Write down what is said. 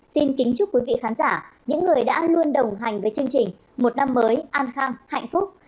xin kính chúc quý vị khán giả những người đã luôn đồng hành với chương trình một năm mới an khang hạnh phúc